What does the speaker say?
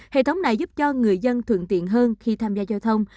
hệ thống này giúp cho người dân thuận tiện hơn khi tham gia giao thông